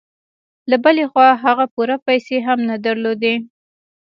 له بلې خوا هغه پوره پيسې هم نه درلودې.